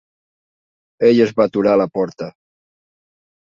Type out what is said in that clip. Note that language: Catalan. Ell es va aturar a la porta.